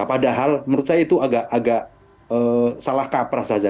padahal menurut saya itu agak salah kaprah saja